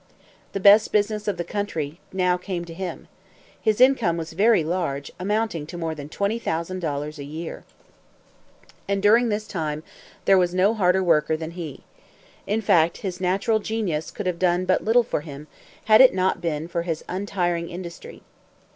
The best business of the country now came to him. His income was very large, amounting to more than $20,000 a year. And during this time there was no harder worker than he. In fact, his natural genius could have done but little for him, had it not been for his untiring industry.